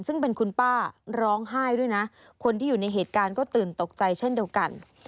ซึ่งเป็นคุณป้าร้องไห้ด้วยนะคนที่อยู่ในเหตุการณ์ก็ตื่นตกใจเช่นเดียวกัน